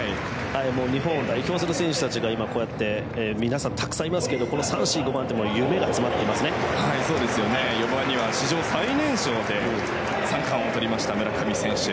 日本を代表する選手たちが今、こうやってたくさんいますけど３、４、５番って４番には史上最年少で三冠王を取った村上宗隆選手。